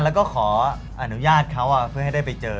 แล้วก็ขออนุญาตเขาเพื่อให้ได้ไปเจอ